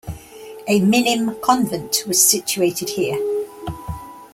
A Minim convent was situated here.